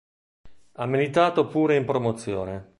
Ha militato pure in Promozione.